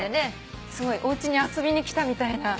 すごいおうちに遊びに来たみたいな。